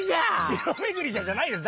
「城巡りじゃ」じゃないです